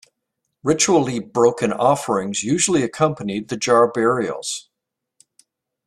Ritually broken offerings usually accompanied the jar burials.